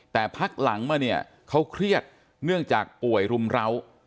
แต่พักหลังมาเนี่ยเขาเครียดเนื่องจากป่วยรุมร้าว